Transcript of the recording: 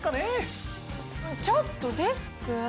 ちょっとデスク！